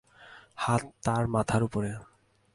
হাত তাঁর মাথার উপরে?